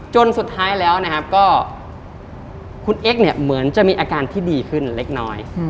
จนสุดท้ายแล้วนะครับก็คุณเอ็กซ์เนี่ยเหมือนจะมีอาการที่ดีขึ้นเล็กน้อย